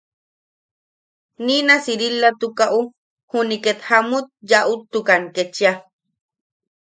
Niina Siriilatukaʼu juni ket jamut yaʼutukan kechia.